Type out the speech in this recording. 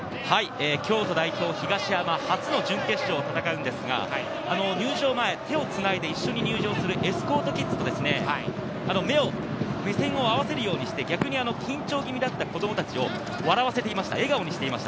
京都代表・東山、初の準決勝を戦うんですが、入場前、手をつないで一緒に入場するエスコートキッズと、目線を合わせるようにして、逆に緊張気味だった子供たちを笑わせていました。